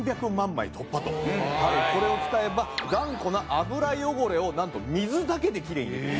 これを使えば頑固な油汚れをなんと水だけできれいに。